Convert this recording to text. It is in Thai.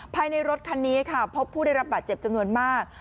ภายในรถคันนี้ค่ะพบผู้ได้รับบาดเจ็บจำนวนมาก